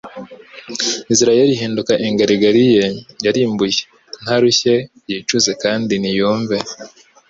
Israheli ihinduka ingarigari ye yarimbuye ntarushye yicuza kandi niyumve